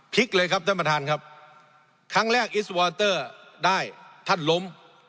เลยครับท่านประธานครับครั้งแรกอิสวอเตอร์ได้ท่านล้ม